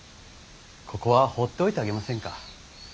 ここは放っておいてあげませんか。